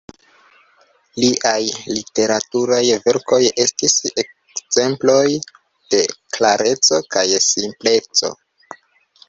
Liaj literaturaj verkoj estis ekzemploj de klareco kaj simpleco.